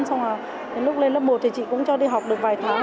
xong rồi lúc lên lớp một thì chị cũng cho đi học được vài tháng